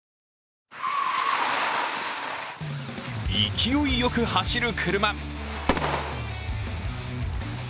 勢いよく走る車。